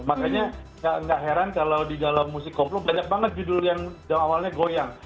makanya nggak heran kalau di dalam musik koplo banyak banget judul yang awalnya goyang